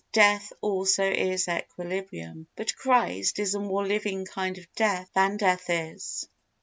Death also is equilibrium. But Christ is a more living kind of death than death is.